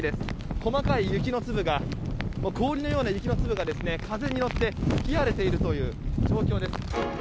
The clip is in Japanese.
細かい雪の粒が氷のような雪の粒が風に乗って吹き荒れているという状況です。